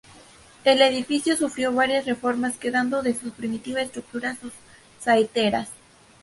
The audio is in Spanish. El edificio sufrió varias reformas quedando de su primitiva estructura sus saeteras.